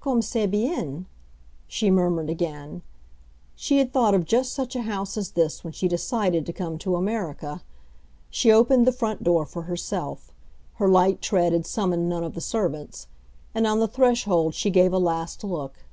"Comme c'est bien!" she murmured again; she had thought of just such a house as this when she decided to come to America. She opened the front door for herself—her light tread had summoned none of the servants—and on the threshold she gave a last look.